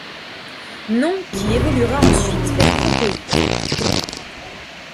Nom qui évoluera ensuite vers Crocoïte.